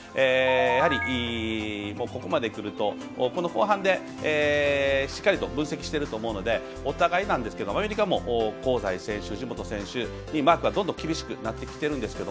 やはり、ここまでくるとこの後半でしっかりと分析していると思うのでお互い、アメリカも香西選手、藤本選手にマークがどんどん厳しくなってきてるんですけど